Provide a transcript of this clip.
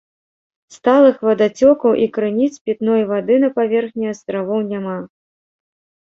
Сталых вадацёкаў і крыніц пітной вады на паверхні астравоў няма.